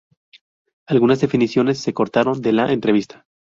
Algunas definiciones se recortaron de la entrevista".